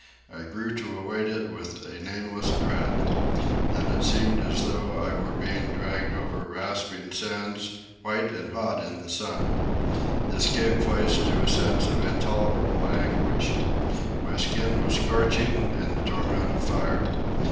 I grew to await it with a nameless dread. Then it seemed as though I were being dragged over rasping sands, white and hot in the sun. This gave place to a sense of intolerable anguish. My skin was scorching in the torment of fire.